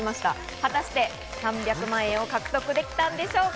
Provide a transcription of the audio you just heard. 果たして３００万円を獲得できたんでしょうか？